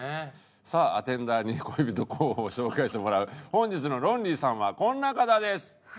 さあアテンダーに恋人候補を紹介してもらう本日のロンリーさんはこんな方です。